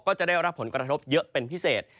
ก็จะได้รับผลกระทบเยอะเป็นพิเศษ